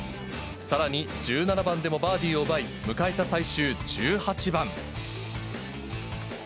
さらに１７番でもバーディーを奪い、迎えた最終１８番。